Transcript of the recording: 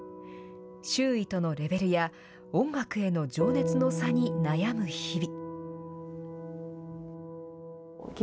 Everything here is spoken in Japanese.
周囲とのレベルや、音楽への情熱の差に悩む日々。